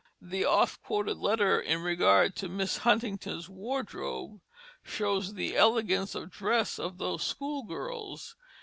The oft quoted letter in regard to Miss Huntington's wardrobe shows the elegance of dress of those schoolgirls.